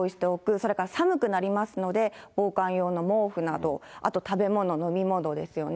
それから寒くなりますので、防寒用の毛布など、あと食べ物、飲み物ですよね。